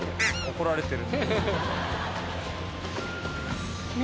怒られてる・